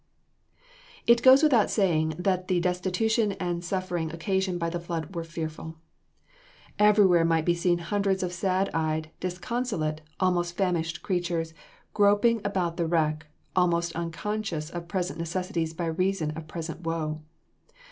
It goes without saying that the destitution and suffering occasioned by the flood were fearful. Everywhere might be seen hundreds of sad eyed, disconsolate, almost famished creatures, groping about the wreck, almost unconscious of present necessities by reason of present woe.